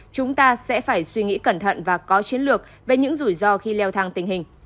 chúng ta sẽ phải suy nghĩ cẩn thận và có chiến lược về những rủi ro khi leo thang tình hình